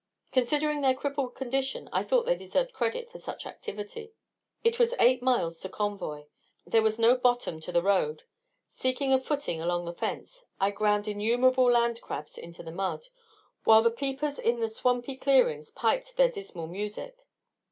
Considering their crippled condition, I thought they deserved credit for such activity. It was eight miles to Convoy. There was no bottom to the road. Seeking a footing along the fence, I ground innumerable land crabs into the mud, while the peepers in the swampy clearings piped their dismal music.